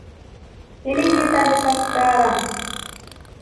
Ini ngilitandika kitanda.